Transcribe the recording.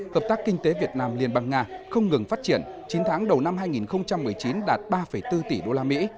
hợp tác kinh tế việt nam liên bang nga không ngừng phát triển chín tháng đầu năm hai nghìn một mươi chín đạt ba bốn tỷ đô la mỹ